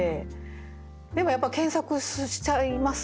でもやっぱ検索しちゃいます？